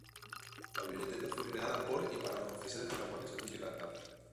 La Biblioteca fue creada por y para los oficiales de la guarnición de Gibraltar.